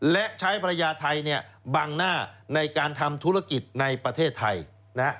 และใช้ภรรยาไทยเนี่ยบังหน้าในการทำธุรกิจในประเทศไทยนะฮะ